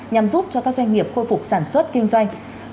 nhằm giúp cho các doanh nghiệp khôi phục sản xuất kinh doanh